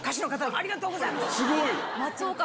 ありがとうございます。